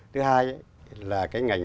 thứ hai là cái ngành